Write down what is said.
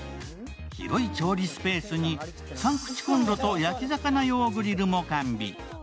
広い調理スペースに、３口こんろと焼き魚用グリルも完備。